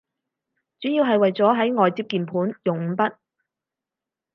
主要係為咗喺外接鍵盤用五筆